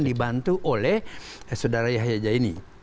dibantu oleh saudara yahya jaini